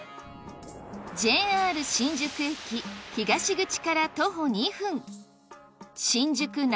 ＪＲ新宿駅東口から徒歩２分